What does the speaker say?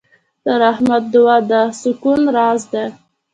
د رحمت دعا د سکون راز دی.